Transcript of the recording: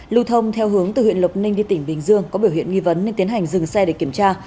lưu thông theo hướng từ huyện lộc ninh đi tỉnh bình dương có biểu hiện nghi vấn nên tiến hành dừng xe để kiểm tra